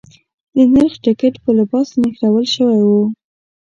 د نرخ ټکټ په لباس نښلول شوی و.